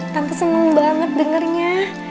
tante seneng banget dengernya